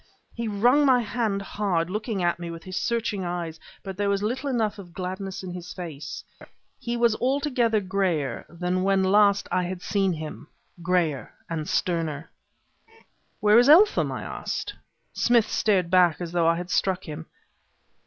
He wrung my hand hard, looking at me with his searching eyes; but there was little enough of gladness in his face. He was altogether grayer than when last I had seen him grayer and sterner. "Where is Eltham?" I asked. Smith started back as though I had struck him.